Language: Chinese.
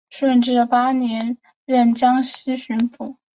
顺治八年任江西巡抚。